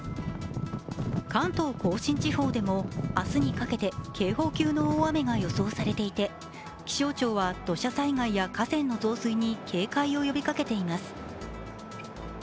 関東甲信地方でも明日にかけて警報級の大雨が予想されていて気象庁は土砂災害や河川の増水に警戒を呼びかけています。